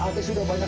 aduh apaan sih mak